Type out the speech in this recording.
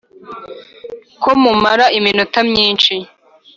ko mumara iminota myinshi